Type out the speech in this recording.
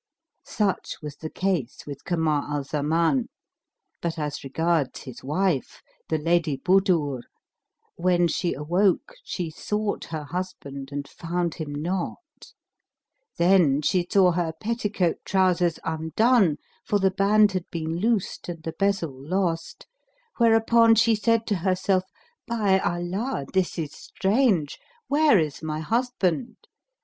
Such was the case with Kamar al Zaman; but as regards his wife, the Lady Budur, when she awoke she sought her husband and found him not: then she saw her petticoat trousers undone, for the band had been loosed and the bezel lost, whereupon she said to herself, "By Allah, this is strange! Where is my husband?